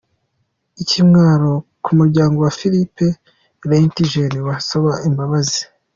Ikimwaro ku muryango, Filip Reyntjens we asaba imbabazi.